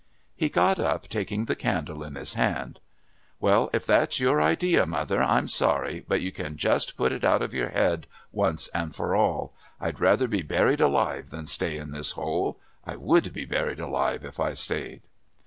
He got up, taking the candle in his hand. "Well, if that's your idea, mother, I'm sorry, but you can just put it out of your head once and for all. I'd rather be buried alive than stay in this hole. I would be buried alive if I stayed."